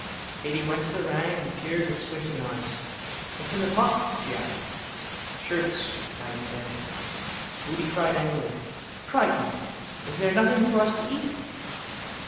Katey went to the range and peered with squinting eyes. —What's in the pot? she asked. —Shirts, Maggy said. Boody cried angrily: —Crickey, is there nothing for us to eat?